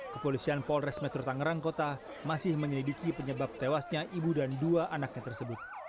kepolisian polres metro tangerang kota masih menyelidiki penyebab tewasnya ibu dan dua anaknya tersebut